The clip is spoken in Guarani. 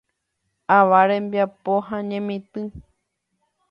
Ava rembiapo ha ñemitỹ.